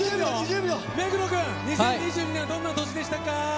目黒君、２０２２年はどんな年でしたか？